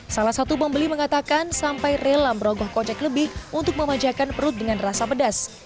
salah satu pembeli mengatakan sampai rela merogoh kocek lebih untuk memanjakan perut dengan rasa pedas